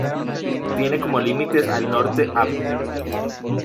Tiene como límites al Norte Av.